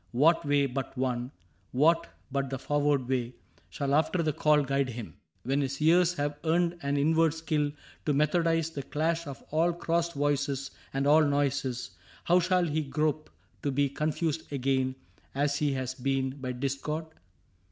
What way but one, what but the forward way. Shall after that call guide him ? When his ears Have earned an inward skill to methodize The clash of all crossed voices and all noises. How shall he grope to be confused again. As he has been, by discord